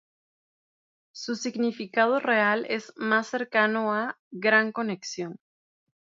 Su significado real es más cercano a "Gran Conexión".